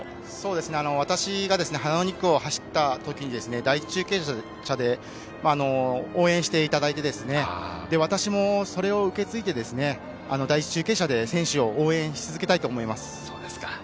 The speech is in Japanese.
そうですね、私が花の２区を走ったときに第１中継車で応援していただいて、私もそれを受け継いで、第１中継車で選手を応援し続けたいと思います。